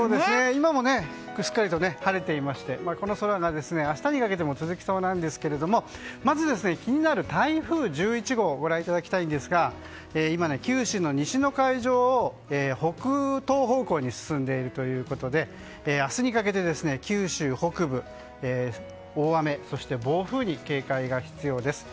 今もしっかりと晴れていましてこの空が明日にかけても続きそうなんですけれどもまず気になる台風１１号をご覧いただきたいんですが今、九州の西の海上を北東方向に進んでいるということで明日にかけて九州北部、大雨そして暴風に警戒が必要です。